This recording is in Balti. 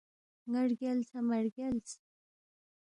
ن٘ا رگیالسا مہ رگیالس؟